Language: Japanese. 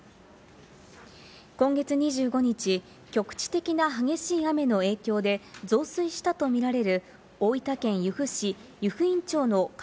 今月２５日、局地的な激しい雨の影響で増水したとみられる大分県由布市湯布院町の花